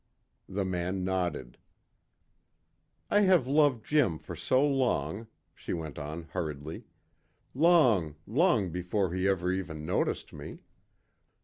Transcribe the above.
The man nodded. "I have loved Jim for so long," she went on hurriedly. "Long long before he ever even noticed me.